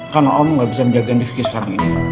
karena om gak bisa jagain rifki sekarang ini